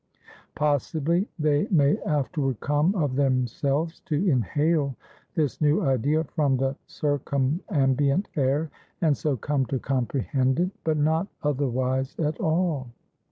Possibly, they may afterward come, of themselves, to inhale this new idea from the circumambient air, and so come to comprehend it; but not otherwise at all.